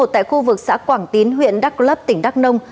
tại khu vực xã quảng tín huyện đắk lấp tỉnh đắk nông